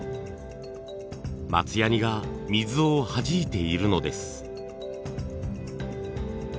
松ヤニが水をはじいているのです。